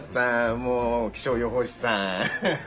もう気象予報士さん。